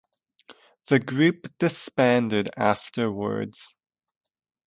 The group disbanded afterwards.